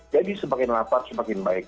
jadi semakin lapar semakin baik